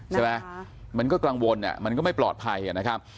ใช่ไหมมันก็กลางวนมันก็ไม่ปลอดภัยนะครับ